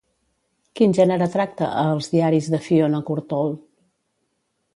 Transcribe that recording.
Quin gènere tracta a "Els diaris de Fiona Courtauld"?